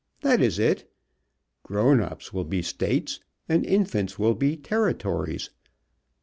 That is it. Grown ups will be States and infants will be Territories.